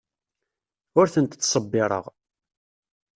Ur tent-ttṣebbireɣ.